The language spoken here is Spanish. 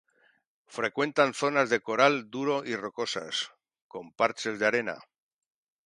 Frecuentan zonas de coral duro y rocosas, con parches de arena.